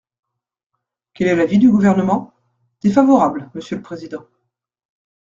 Quel est l’avis du Gouvernement ? Défavorable, monsieur le président.